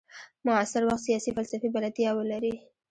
معاصر وخت سیاسي فلسفې بلدتیا ولري.